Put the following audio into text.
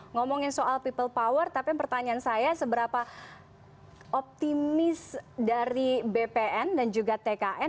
ngomongin soal people power tapi pertanyaan saya seberapa optimis dari bpn dan juga tkn